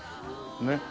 ねっ。